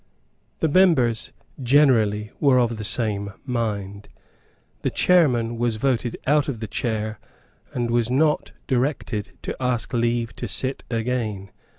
The members generally were of the same mind. The chairman was voted out of the chair, and was not directed to ask leave to sit again.